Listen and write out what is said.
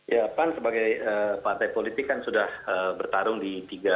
ya pan sebagai partai politik kan sudah bertarung di tiga